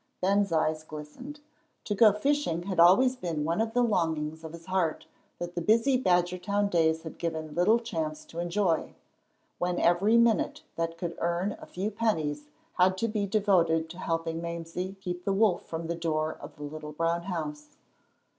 Ben's eyes glistened. To go fishing had always been one of the longings of his heart that the busy Badgertown days had given little chance to enjoy, when every minute that could earn a few pennies had to be devoted to helping Mamsie keep the wolf from the door of the little brown house.